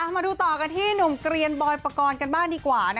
มาดูต่อกันที่หนุ่มเกลียนบอยปกรณ์กันบ้างดีกว่า